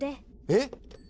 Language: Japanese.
えっ！